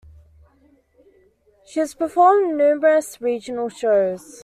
She has performed in numerous regional shows.